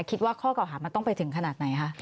คิดว่าข้อเก่าหามันต้องไปถึงขนาดไหนคะ